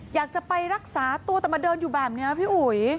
อยากจะไปรักษาตัวแต่มาเดินอยู่แบบนี้พี่อุ๋ย